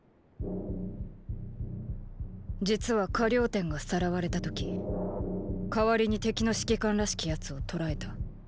実は河了貂がさらわれた時代わりに敵の指揮官らしき奴を捕らえた。